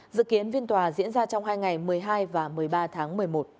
dự kiến phiên tòa diễn ra trong hai ngày một mươi hai và một mươi ba tháng một mươi một